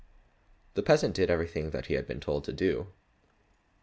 The peasant did everything that he had been told to do.